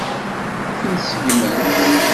Ad ten-seggment?